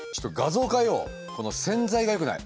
この宣材がよくない。